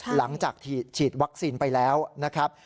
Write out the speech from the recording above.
หลังจากฉีดวัคซีนไปแล้วนะครับ